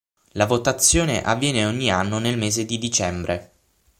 La votazione avviene ogni anno nel mese di dicembre.